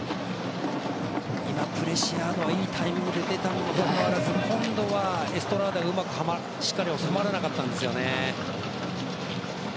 今プレシアードがいいタイミングで出たのにもかかわらず今度はエストラーダがしっかり収まらなかったんですよね。